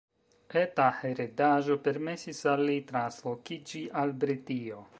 Eta heredaĵo permesis al li translokiĝi al Britio.